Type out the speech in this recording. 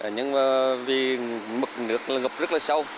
nhưng vì mực nước ngập rất sâu